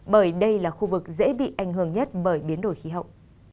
bởi đây là khu vực dễ bị ảnh hưởng nhất bởi biến đổi khí hậu